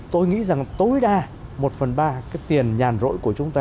tôi nghĩ rằng tối đa một phần ba cái tiền nhàn rỗi của chúng ta